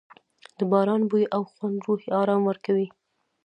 د باران بوی او خوند روحي آرام ورکوي.